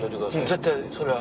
絶対それは。